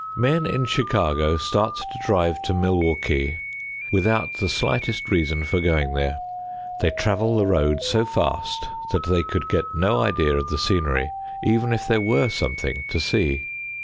Men in Chicago start to drive to Milwaukee without the slightest reason for going there; they travel the road so fast that they could get no idea of the scenery even if there were something to see.